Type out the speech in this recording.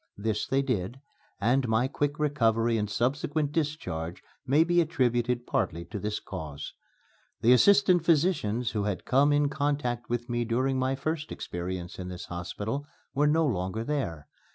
This they did, and my quick recovery and subsequent discharge may be attributed partly to this cause. The assistant physicians who had come in contact with me during my first experience in this hospital were no longer there.